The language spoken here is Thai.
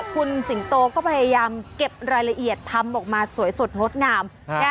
คุณสิงโตก็พยายามเก็บรายละเอียดทำออกมาสวยสดงดงาม